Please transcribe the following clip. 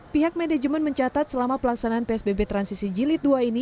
pihak manajemen mencatat selama pelaksanaan psbb transisi jilid dua ini